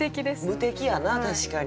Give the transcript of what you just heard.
無敵やな確かに。